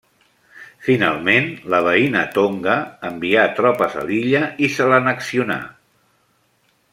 Finalment, la veïna Tonga envià tropes a l'illa i se l'annexionà.